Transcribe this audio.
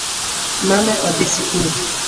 Mama odhii sikul